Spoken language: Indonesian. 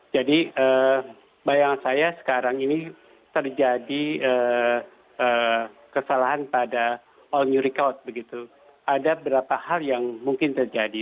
jadi bayangkan saya sekarang ini terjadi kesalahan pada all new record begitu ada berapa hal yang mungkin terjadi